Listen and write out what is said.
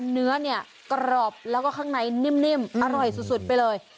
เนื้อเนี่ยกรอบแล้วก็ข้างในนิ่มอร่อยสุดไปเลย